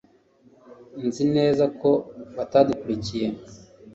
nzi neza ko batadukurikiye